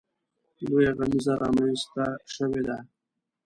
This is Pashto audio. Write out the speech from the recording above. لویه غمیزه رامنځته شوې ده.